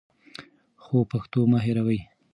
خو پښتو مه هېروئ.